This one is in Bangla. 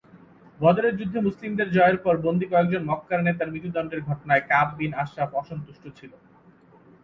বদরের যুদ্ধে মুসলিমদের জয়ের পর বন্দী কয়েকজন মক্কার নেতার মৃত্যুদন্ডের ঘটনায় কাব বিন আশরাফ অসন্তুষ্ট ছিল।